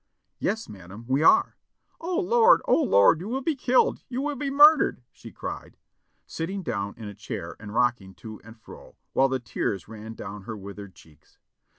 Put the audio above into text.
"Yes, madam, we are." "O Lord! O Lord! you will l>e killed! You will be mur dered!" she cried, sitting down in a chair and rocking to and fro, while the tears ran down her withered cheeks.